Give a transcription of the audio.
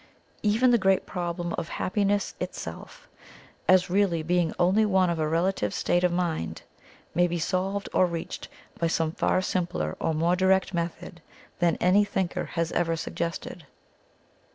Even the great problem of Happiness itself, as really being only one of a relative state of mind, may be solved or reached by some far simpler or more direct method than any thinker has ever suggested.